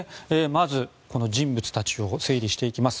まず、人物たちを整理していきます。